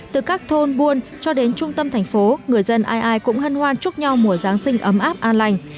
từ các thôn buôn cho đến trung tâm thành phố người dân ai ai cũng hân hoan chúc nhau mùa giáng sinh ấm áp an lành